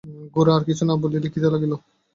গোরা আর কিছু না বলিয়া লিখিতে লাগিল।